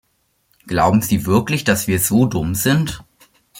Glauben Sie wirklich, dass wir so dumm sind?